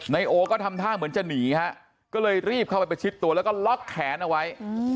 นายโอก็ทำท่าเหมือนจะหนีฮะก็เลยรีบเข้าไปประชิดตัวแล้วก็ล็อกแขนเอาไว้